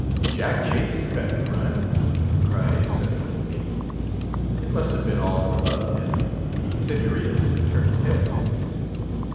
"Jack Chase cut and run!" cried a sentimental middy. "It must have been all for love, then; the signoritas have turned his head."